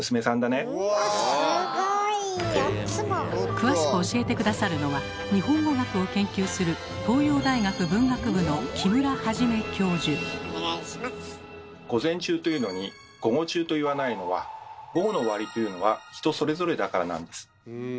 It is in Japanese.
詳しく教えて下さるのは日本語学を研究する「午前中」と言うのに「午後中」と言わないのは午後の終わりというのは人それぞれだからなんです。